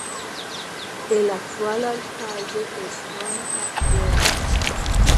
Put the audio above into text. El actual alcalde es Ron McDermott.